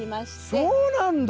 そうなんだ！